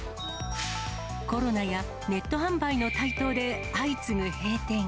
コロナやネット販売の台頭で、相次ぐ閉店。